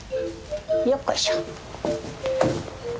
よっこいしょ。